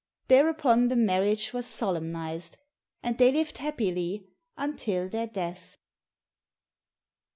Thereupon the marriage was solemnized, and they lived happily until their death.